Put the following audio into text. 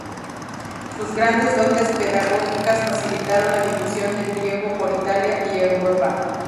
Sus grandes dotes pedagógicas facilitaron la difusión del griego por Italia y Europa.